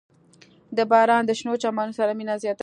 • باران د شنو چمنونو سره مینه زیاتوي.